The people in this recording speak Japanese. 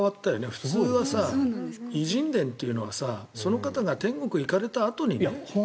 普通は偉人伝というのはその方が天国に行かれたあとにね。